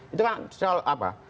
itu kan soal apa